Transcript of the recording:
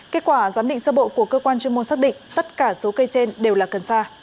kết quả giám định sơ bộ của cơ quan chuyên môn xác định tất cả số cây trên đều là cần sa